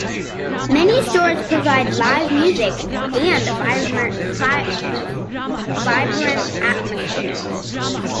Many stores provide live music and a vibrant atmosphere.